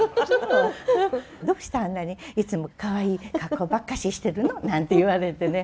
「どうしてあんなにいつもかわいい格好ばっかししてるの」なんて言われてね。